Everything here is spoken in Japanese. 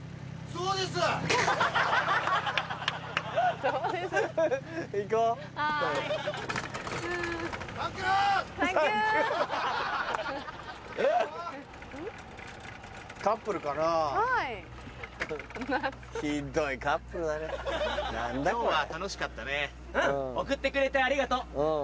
うん送ってくれてありがとう。